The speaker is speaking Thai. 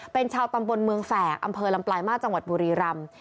เป็นชาวตำบลเมืองแฝกอำเภอลำปลายมาสจังหวัดบุรีรำ